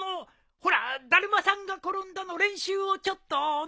ほらだるまさんが転んだの練習をちょっとのう。